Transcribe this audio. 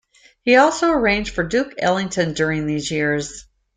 He also arranged for Duke Ellington during these years.